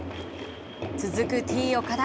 続くＴ−岡田。